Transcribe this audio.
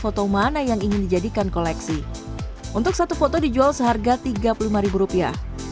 foto mana yang ingin dijadikan koleksi untuk satu foto dijual seharga tiga puluh lima rupiah